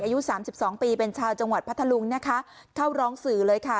อายุสามสิบสองปีเป็นชาวจังหวัดพัทธลุงนะคะเข้าร้องสื่อเลยค่ะ